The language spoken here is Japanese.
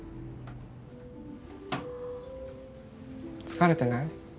疲れてない？